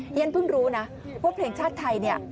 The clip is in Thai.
ฉันเพิ่งรู้นะว่าเพลงชาติไทยเนี่ย